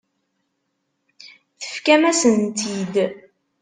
Tefkam-asen-tt-id.